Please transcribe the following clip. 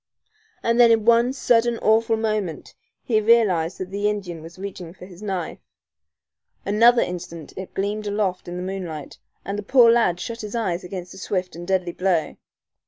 And then in one sudden, awful moment he realized that the Indian was reaching for his knife. Another instant it gleamed aloft in the moonlight, and the poor lad shut his eyes against the swift and deadly blow.